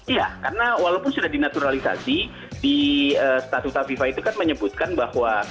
iya karena walaupun sudah dinaturalisasi di statuta fifa itu kan menyebutkan bahwa